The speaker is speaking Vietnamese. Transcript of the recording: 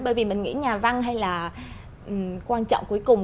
bởi vì mình nghĩ nhà văn hay là quan trọng cuối cùng